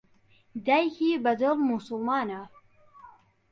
دایکی بەدڵ موسوڵمانە.